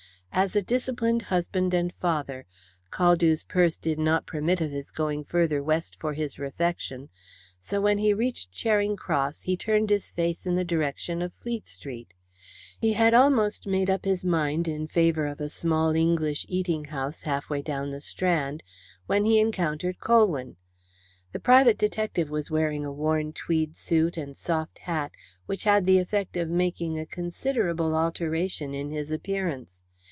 As a disciplined husband and father, Caldew's purse did not permit of his going further West for his refection, so when he reached Charing Cross he turned his face in the direction of Fleet Street. He had almost made up his mind in favour of a small English eating house half way down the Strand, when he encountered Colwyn. The private detective was wearing a worn tweed suit and soft hat, which had the effect of making a considerable alteration in his appearance.